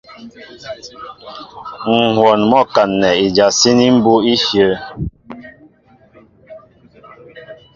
Ŋ̀hwɔn mɔ́ a kaǹnɛ ijasíní mbú' nɛ́ íshyə̂.